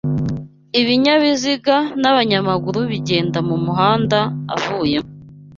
ibinyabiziga n'abanyamaguru bigenda mu muhanda avuyemo